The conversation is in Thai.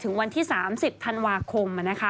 วันที่๓๐ธันวาคม